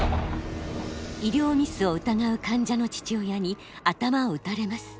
医療ミスを疑う患者の父親に頭を撃たれます。